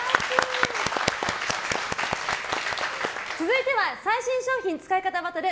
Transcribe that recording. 続いては最新商品使い方バトル！